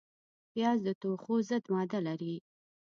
پیاز د توښو ضد ماده لري